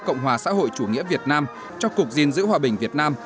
cộng hòa xã hội chủ nghĩa việt nam cho cục gìn giữ hòa bình việt nam